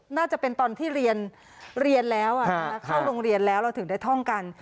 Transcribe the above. น่าจะเป็นตอนที่เรียนแล้วเข้าโรงเรียนแล้วเราถึงได้ท่องกัน